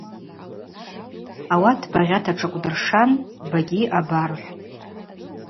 Ауат багъьата тшакӏвдыршан багьи абархӏвтӏ.